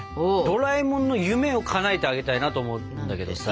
ドラえもんの夢をかなえてあげたいなと思うんだけどさ。